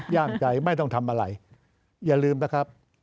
ย่ามใจไม่ต้องทำอะไรอย่าลืมนะครับ